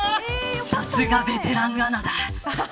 さすがベテランアナだ。